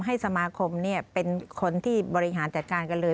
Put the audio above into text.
ให้สมาคมเป็นคนที่บริหารจัดการกันเลย